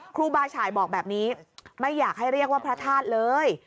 ครูบาฉายบอกแบบนี้ไม่อยากให้เรียกว่าพระธาตุเลย